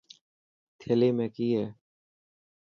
ٿيلي ۾ ڪئي هي.